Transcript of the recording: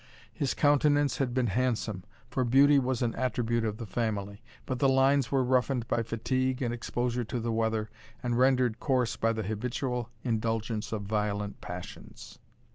His countenance had been handsome, for beauty was an attribute of the family; but the lines were roughened by fatigue and exposure to the weather, and rendered coarse by the habitual indulgence of violent passions.